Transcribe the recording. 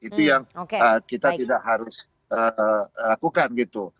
itu yang kita tidak harus lakukan gitu